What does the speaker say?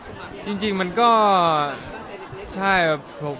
ผมก็รู้จักจริงอยากจะสักครั้งเอาสมัคร